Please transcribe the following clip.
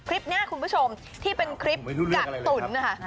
คลิปนี้คุณผู้ชมที่เป็นคลิปกักตุ๋นนะคะ